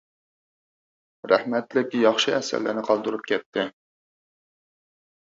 رەھمەتلىك ياخشى ئەسەرلەرنى قالدۇرۇپ كەتتى.